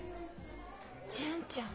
純ちゃん。